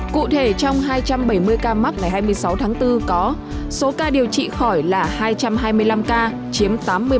cụ thể trong hai trăm bảy mươi ca mắc ngày hai mươi sáu tháng bốn có số ca điều trị khỏi là hai trăm hai mươi năm ca chiếm tám mươi ba